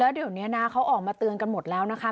เดี๋ยวนี้นะเขาออกมาเตือนกันหมดแล้วนะคะ